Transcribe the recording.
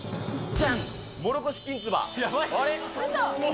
じゃん！